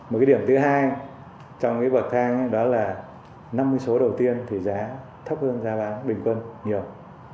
một cái điểm thứ hai trong cái bậc thang đó là năm mươi số đầu tiên thì giá thấp hơn giá bán bình quân nhiều